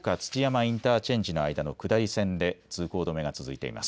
インターチェンジの間の下り線で通行止めが続いています。